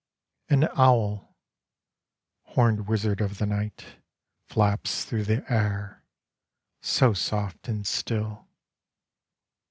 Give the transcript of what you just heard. An owl, horned wizard of the night Flaps through the air, so soft and still.